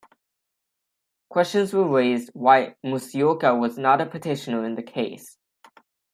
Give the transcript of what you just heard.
Questions were raised why Musyoka was not a petitioner in the case.